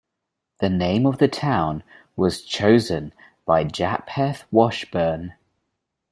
The name of the town was chosen by Japheth Washburn.